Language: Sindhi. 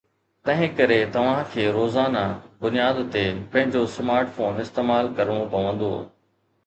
تنهن ڪري توهان کي روزانه بنياد تي پنهنجو سمارٽ فون استعمال ڪرڻو پوندو